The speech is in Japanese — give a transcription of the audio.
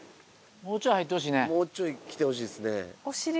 もうちょい来てほしいですね。